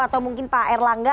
atau mungkin pak erlangga